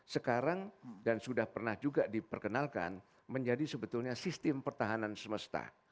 sekarang dan sudah pernah juga diperkenalkan menjadi sebetulnya sistem pertahanan semesta